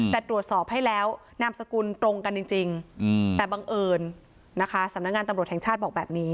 แต่ตรวจสอบให้แล้วนามสกุลตรงกันจริงแต่บังเอิญนะคะสำนักงานตำรวจแห่งชาติบอกแบบนี้